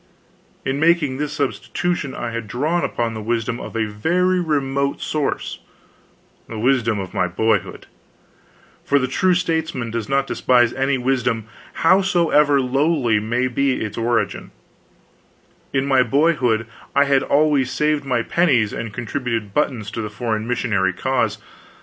In making this substitution I had drawn upon the wisdom of a very remote source the wisdom of my boyhood for the true statesman does not despise any wisdom, howsoever lowly may be its origin: in my boyhood I had always saved my pennies and contributed buttons to the foreign missionary cause.